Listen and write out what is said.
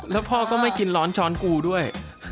แล้วพ่อก็ไม่กินร้อนช้อนกูด้วย